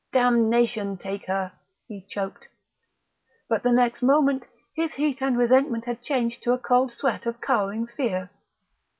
"Damnation take her!" he choked.... But the next moment his heat and resentment had changed to a cold sweat of cowering fear.